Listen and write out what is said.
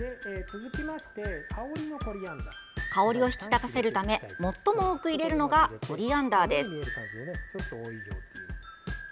香りを引き立たせるため最も多く入れるのがコリアンダーです。